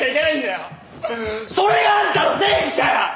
それがあんたの正義かよ！